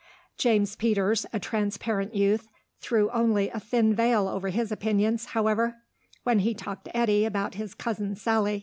James Peters, a transparent youth, threw only a thin veil over his opinions, however, when he talked to Eddy about his cousin Sally.